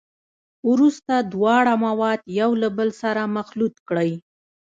وروسته دواړه مواد یو له بل سره مخلوط کړئ.